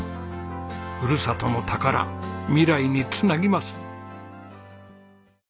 ふるさとの宝未来に繋ぎます。